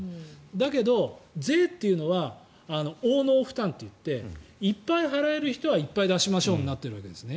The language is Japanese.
だけど税というのは応能負担といっていっぱい払える人はいっぱい出しましょうとなっているわけです。